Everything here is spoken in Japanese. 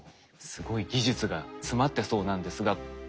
すごい技術が詰まってそうなんですが。